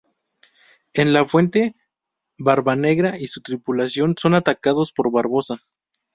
En la Fuente, Barbanegra y su tripulación son atacados por Barbossa.